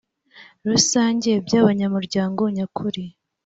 rusange bya abanyamuryango nyakuri